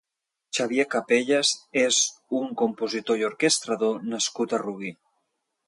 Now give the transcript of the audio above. Xavier Capellas és un compositor i orquestrador nascut a Rubí.